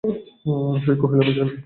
সে কহিল, আমি মানি।